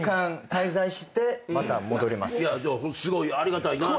すごいありがたいなって。